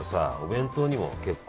弁当にも結構。